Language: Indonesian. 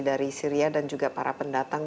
dari syria dan juga para pendatang